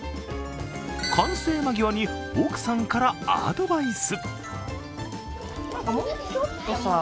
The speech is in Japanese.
完成間際に、奥さんからアドバイス。